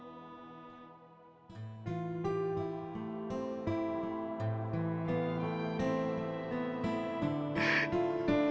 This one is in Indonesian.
tidak seperti saya